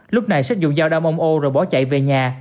lúc này xết dùng dao đâm ông âu rồi bỏ chạy về nhà